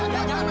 eh jangan pak